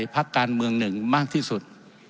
เป็นประโยชน์กับพระการเมืองหนึ่งมากที่สุด